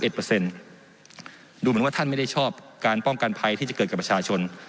ดูเหมือนว่าท่านไม่ได้ชอบการป้องกันภัยที่จะเกิดกับประชาชน